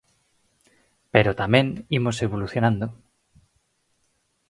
Pero tamén imos evolucionando.